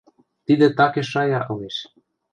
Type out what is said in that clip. Тидӹ такеш шая ылеш.